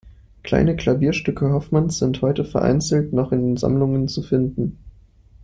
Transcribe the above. Kleine Klavierstücke Hofmanns sind heute vereinzelt noch in Sammlungen zu finden.